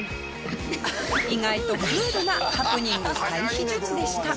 意外とクールなハプニング回避術でした。